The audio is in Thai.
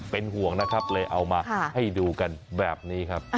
เป็นห่วงนะครับเลยเอามาให้ดูกันแบบนี้ครับ